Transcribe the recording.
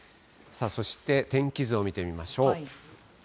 そして、天気図を見てみましょう。